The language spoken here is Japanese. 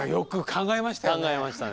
考えましたね。